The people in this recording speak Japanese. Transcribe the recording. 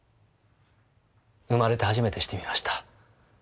生まれて初めてしてみました。